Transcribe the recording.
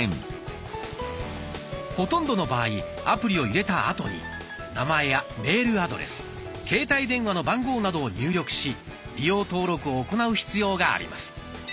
ほとんどの場合アプリを入れたあとに名前やメールアドレス携帯電話の番号などを入力し利用登録を行う必要があります。